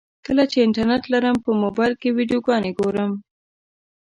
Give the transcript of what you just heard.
کله چې انټرنټ لرم په موبایل کې ویډیوګانې ګورم.